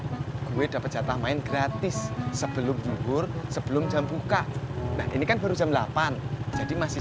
gue dapat jatah main gratis sebelum jubur sebelum jam buka nah ini kan baru jam delapan jadi masih